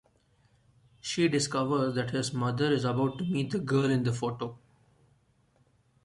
She discovers that his mother is about to meet the girl in the photo.